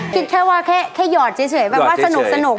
คิดแค่ว่าแค่หยอดเฉยแบบว่าสนุก